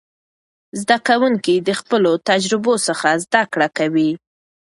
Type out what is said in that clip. زده کوونکي د خپلو تجربو څخه زده کړه کوي.